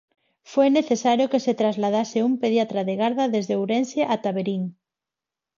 Foi necesario que se trasladase un pediatra de garda desde Ourense ata Verín.